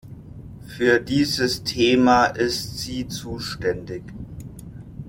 Für dieses Thema ist sie zuständig.